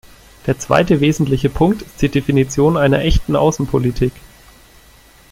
Der zweite wesentliche Punkt ist die Definition einer echten Außenpolitik.